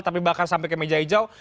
tapi bahkan sampai ke meja hijau